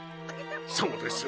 そうです。